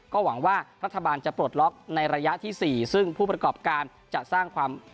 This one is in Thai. ก็หวังว่ารัฐบาลจะปลดล็อกในระยะที่๔ซึ่งผู้ประกอบการจะสร้างความ